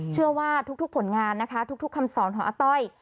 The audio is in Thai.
เชื่อว่าทุกผลงานนะคะทุกคำสอนของอาต้อย